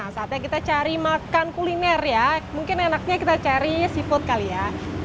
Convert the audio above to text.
saatnya kita cari makan kuliner ya mungkin enaknya kita cari seafood kali ya